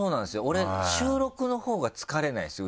俺収録のほうが疲れないんですよ